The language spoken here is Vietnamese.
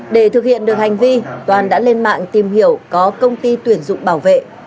để thực hiện được hành vi toàn đã lên mạng tìm hiểu có công ty tuyển dụng bảo vệ